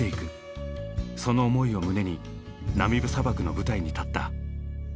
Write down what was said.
その思いを胸にナミブ砂漠の舞台に立った。